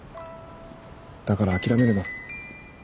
だから諦めるな。